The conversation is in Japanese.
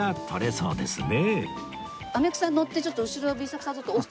そうですね。